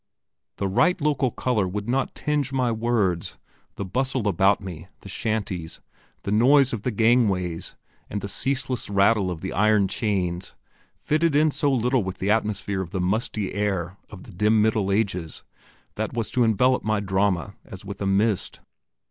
The right local colour would not tinge my words, the bustle about me, the shanties, the noise of the gangways, and the ceaseless rattle of the iron chains, fitted in so little with the atmosphere of the musty air of the dim Middle Ages, that was to envelop my drama as with a mist.